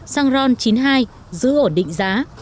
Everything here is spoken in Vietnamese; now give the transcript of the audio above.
xăng ron chín mươi hai giữ ổn định giá